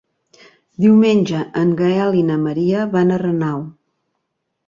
Diumenge en Gaël i na Maria van a Renau.